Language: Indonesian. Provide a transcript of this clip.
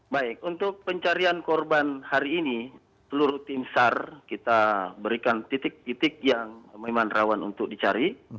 baik untuk pencarian korban hari ini seluruh tim sar kita berikan titik titik yang memang rawan untuk dicari